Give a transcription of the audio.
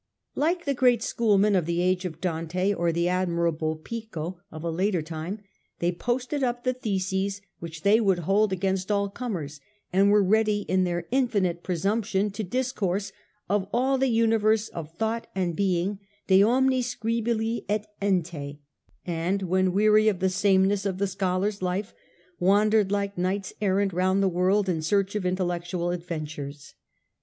Like the great schoolmen of the age of Dante, or the Admirable Pico of a later time, they posted up the theses which chey would hold against all comers, and were ready in their infinite pre sumption to discourse of all the universe of thought and being (de omni scibili et ente), and when weary of the sameness of the scholar's life wandered like knights errant round the world in search of intellectual adventures.